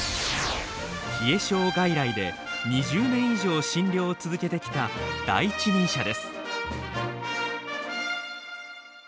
冷え症外来で２０年以上診療を続けてきた第一人者です。